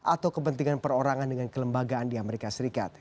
atau kepentingan perorangan dengan kelembagaan di amerika serikat